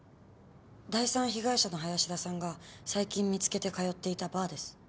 第３被害者の林田さんが最近見つけて通っていたバーです。